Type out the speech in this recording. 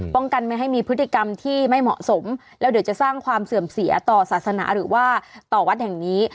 กันไม่ให้มีพฤติกรรมที่ไม่เหมาะสมแล้วเดี๋ยวจะสร้างความเสื่อมเสียต่อศาสนาหรือว่าต่อวัดแห่งนี้